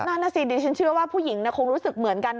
นั่นน่ะสิดิฉันเชื่อว่าผู้หญิงคงรู้สึกเหมือนกัน